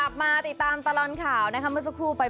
สุดท้ายทรมานในการครับ